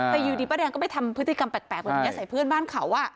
แต่อยู่ดีป้าแดงก็ไปทำพฤติกรรมแปลกแบบนี้ใส่เพื่อนบ้านเขา